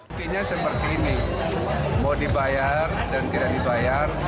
intinya seperti ini mau dibayar dan tidak dibayar